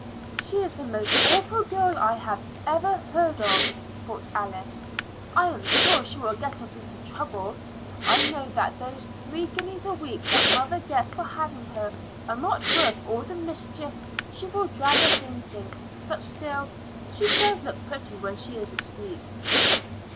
"She is the most awful girl I ever heard of," thought Alice. "I am sure she will get us into trouble. I know that those three guineas a week that mother gets for having her are not worth all the mischief she will drag us into. But still, she does look pretty when she is asleep."